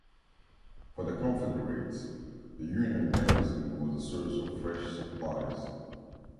For the Confederates, the Union garrison was a source of fresh supplies.